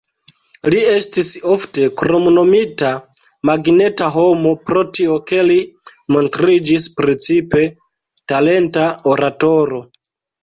Li estis ofte kromnomita "magneta homo" pro tio, ke li montriĝis precipe talenta oratoro.